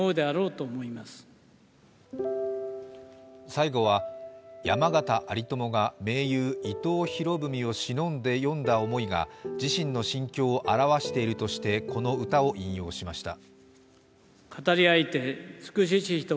最後は山縣有朋が盟友・伊藤博文をしのんで詠んだ思いが、自身の心境を表しているとしてこの歌を引用しました。